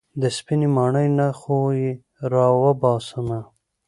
د سپينې ماڼۍ نه خو يې راوباسمه.